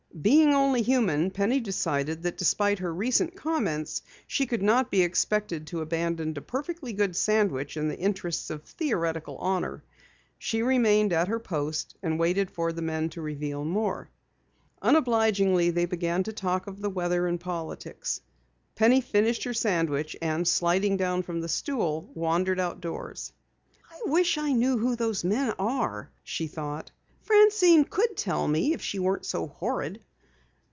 Being only human, Penny decided that despite her recent comments, she could not be expected to abandon a perfectly good sandwich in the interests of theoretical honor. She remained at her post and waited for the men to reveal more. Unobligingly, they began to talk of the weather and politics. Penny finished her sandwich, and sliding down from the stool wandered outdoors. "I wish I knew who those men are," she thought. "Francine could tell me if she weren't so horrid."